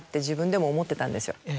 自分でも思ってたんですよ。